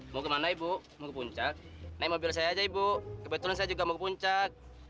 mau kemana ibu mau ke puncak naik mobil saya aja ibu kebetulan saya juga mau puncak